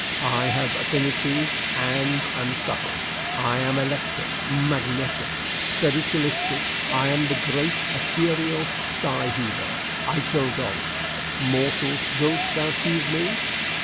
I have affinities and am subtle. I am electric, magnetic, and spiritualistic. I am the great ethereal sighheaver. I kill dogs. Mortal, wilt thou choose me?"